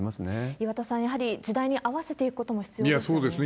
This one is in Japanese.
岩田さん、やはり時代に合わせていくことも必要ですよね。